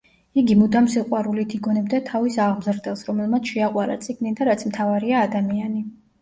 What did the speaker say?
იგი მუდამ სიყვარულით იგონებდა თავის აღმზრდელს, რომელმაც შეაყვარა წიგნი და რაც მთავარია, ადამიანი.